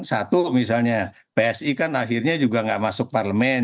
satu misalnya psi kan akhirnya juga nggak masuk parlemen